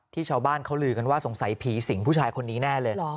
ชาวบ้านเขาลือกันว่าสงสัยผีสิงผู้ชายคนนี้แน่เลย